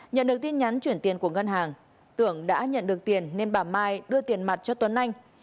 nhận được tin nhắn chuyển tiền của ngân hàng tưởng đã nhận được tiền nên bà mai đưa tiền mặt cho tuấn anh